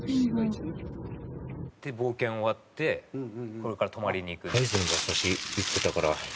「で冒険終わってこれから泊まりに行く」「馬刺し！」